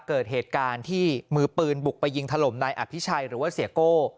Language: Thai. เกิดเหตุการณ์ที่มือปืนบุกไปยิงถล่มนายอภิชัยหรือว่าเสียโก้